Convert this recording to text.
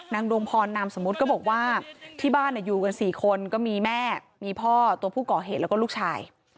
ดวงพรนามสมมุติก็บอกว่าที่บ้านอยู่กัน๔คนก็มีแม่มีพ่อตัวผู้ก่อเหตุแล้วก็ลูกชาย